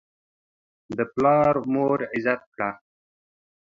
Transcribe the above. پلار مور عزت کړه.